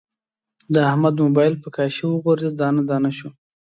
د احمد مبایل په کاشي و غورځید، دانه دانه شو.